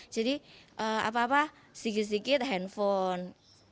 jadi apa apa sedikit sedikit handphone